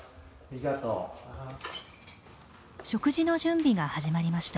食事の準備が始まりました。